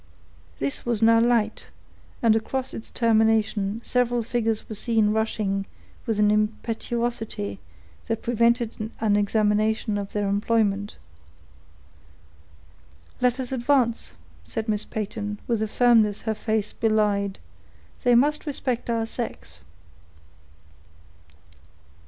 This was now light, and across its termination several figures were seen rushing with an impetuosity that prevented an examination of their employment. "Let us advance," said Miss Peyton, with a firmness her face belied; "they must respect our sex."